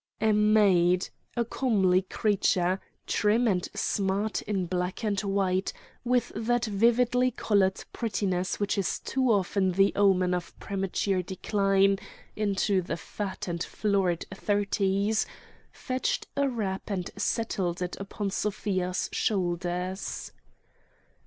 A maid, a comely creature, trim and smart in black and white, with that vividly coloured prettiness which is too often the omen of premature decline into the fat and florid thirties, fetched a wrap and settled it upon Sofia's shoulders.